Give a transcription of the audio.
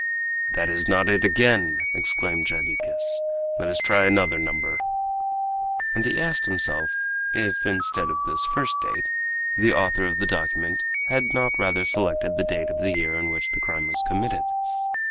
"That is not it again!" exclaimed Jarriquez. "Let us try another number." And he asked himself, if instead of this first date the author of the document had not rather selected the date of the year in which the crime was committed.